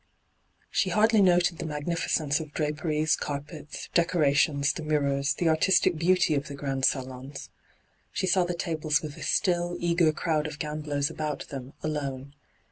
She hardly noted the magnificence of draperies, carpets, decorations, the mirrors, the artistic beauty of the great salons. She saw the tables with the still, eager crowd of gamblers about them, alone.